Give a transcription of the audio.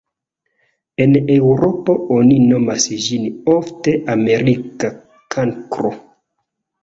En Eŭropo oni nomas ĝin ofte "Amerika kankro".